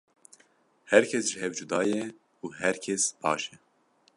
Her kes ji hev cuda ye û her kes baş e.